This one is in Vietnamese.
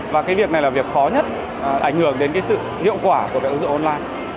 và cái việc này là việc khó nhất ảnh hưởng đến cái sự hiệu quả của việc ứng dụng online